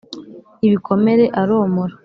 ibikomere aromora.